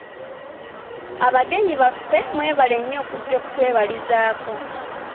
Abagenyi baffe, mwebale nnyo okujja okutwebalizaako.